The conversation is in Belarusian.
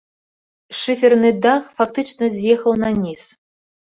Шыферны дах фактычна з'ехаў наніз.